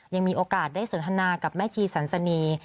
ยังมีโอกาสได้สนทนากับแม่ชีสันสนี